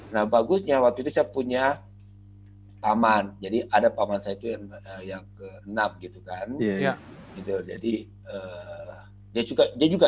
nah bagusnya waktu itu saya punya taman jadi ada paman saya itu yang ke enam gitu kan jadi dia juga dia juga